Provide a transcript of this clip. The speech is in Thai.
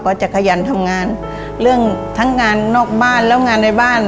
จะขยันทำงานเรื่องทั้งงานนอกบ้านแล้วงานในบ้าน